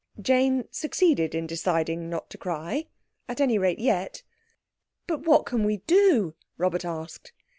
Jane succeeded in deciding not to cry—at any rate yet. "But what can we do?" Robert asked.